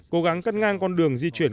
cố gắng cắt ngang con đường di chuyển